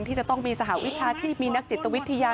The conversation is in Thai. ที่จะต้องมีสหวิชาชีพมีนักจิตวิทยา